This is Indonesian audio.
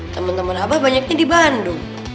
temen temen abah banyaknya di bandung